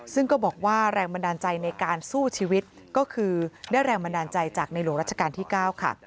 ซึ่งก็บอกว่าแรงบันดาลใจในการสู้ชีวิตก็คือได้แรงบันดาลใจจากในหลวงรัชกาลที่๙ค่ะ